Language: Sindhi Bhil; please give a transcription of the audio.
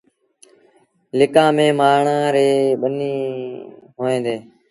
لڪآن ميݩ مآڻهآن ريٚݩ ٻنيٚن هوئيݩ ديٚݩ۔